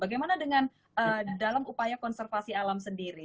bagaimana dengan dalam upaya konservasi alam sendiri